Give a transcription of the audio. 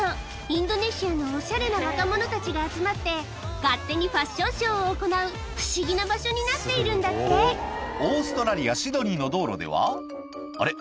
インドネシアのおしゃれな若者たちが集まって勝手にファッションショーを行う不思議な場所になっているんだってオーストラリアシドニーの道路ではあれ